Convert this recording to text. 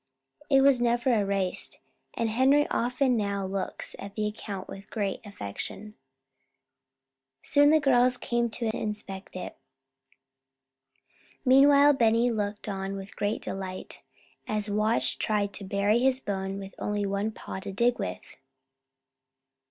It was never erased, and Henry often now looks at the account with great affection. Soon the girls came to inspect it. Meanwhile Benny looked on with great delight as Watch tried to bury his bone with only one paw to dig with.